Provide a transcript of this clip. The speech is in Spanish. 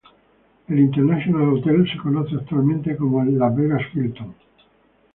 El "International Hotel" se conoce actualmente como el Las Vegas Hilton.